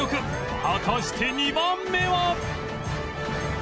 果たして２番目は